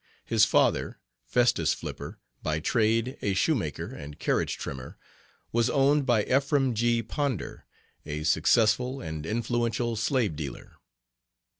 His father, Festus Flipper, by trade a shoemaker and carriage trimmer, was owned by Ephraim G. Ponder, a successful and influential slave dealer.